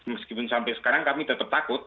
meskipun sampai sekarang kami tetap takut